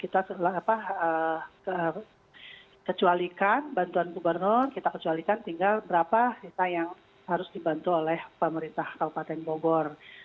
kita kecualikan bantuan gubernur kita kecualikan tinggal berapa kita yang harus dibantu oleh pemerintah kabupaten bogor